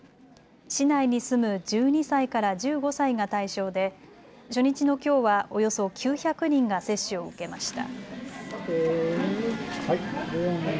市内に住む１２歳から１５歳が対象で初日のきょうはおよそ９００人が接種を受けました。